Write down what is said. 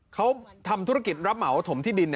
เขาทำธุรกิจรับเหมาถมที่ดิน